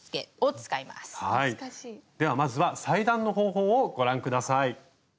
ではまずは裁断の方法をご覧下さい。